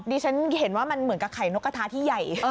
ดิฉันเห็นว่ามันเหมือนกับไข่นกกระทะที่ใหญ่